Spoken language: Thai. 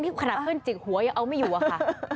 นี่ขนาดเพื่อนจิกหัวยังเอาไม่อยู่อะค่ะ